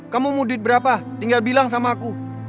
kamu mau duit berapa tinggal bilang sama aku